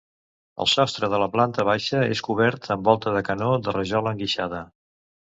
El sostre de la planta baixa és cobert amb volta de canó de rajola enguixada.